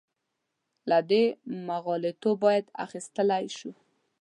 له دې مغالطو باید اخیستلی شو.